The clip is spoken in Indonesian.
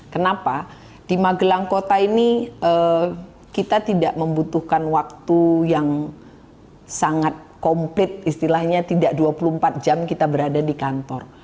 kenapa di magelang kota ini kita tidak membutuhkan waktu yang sangat komplit istilahnya tidak dua puluh empat jam kita berada di kantor